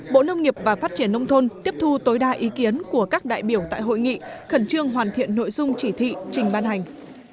bộ nông nghiệp và phát triển nông thôn tiếp thu tối đa ý kiến của các đại biểu tại hội nghị khẩn trương hoàn thiện nội dung chỉ thị trình ban hành